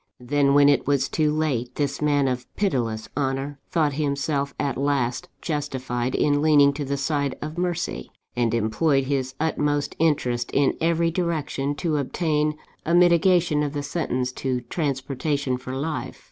"Then, when it was too late, this man of pitiless honour thought himself at last justified in leaning to the side of mercy, and employed his utmost interest, in every direction, to obtain a mitigation of the sentence to transportation for life.